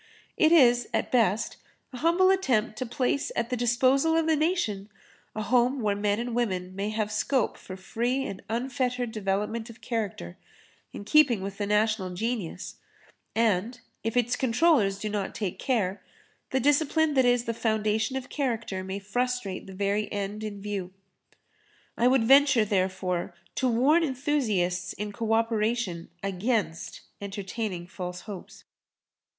It is, at best, a humble attempt to place at the disposal of the nation a home where men and women may have scope for free and unfettered development of character, in keeping with the national genius, and, if its controllers do not take care, the discipline that is the foundation of character may frustrate the very end in view. I would venture, therefore, to warn enthusiasts in co operation against entertaining false hopes.